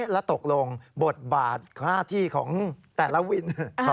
แล้วตกลงบทบาทหน้าที่ของแต่ละวิน